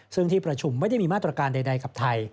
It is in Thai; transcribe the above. ซึ่งที่ประชุมไม่ได้มีมาตรการใดกับไทย